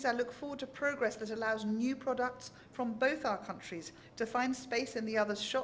saya tidak ada kesalahan bahwa makanan dan minuman indonesia